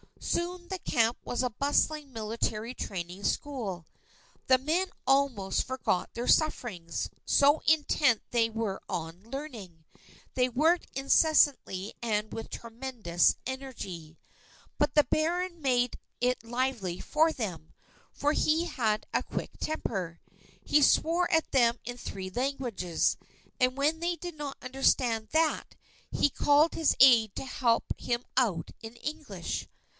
Soon the camp was a bustling military training school. The men almost forgot their sufferings, so intent they were on learning. They worked incessantly and with tremendous energy. But the Baron made it lively for them, for he had a quick temper. He swore at them in three languages; and, when they did not understand that, he called his aide to help him out in English.